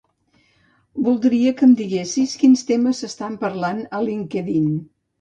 Voldria que em diguessis quins temes s'estan parlant a LinkedIn.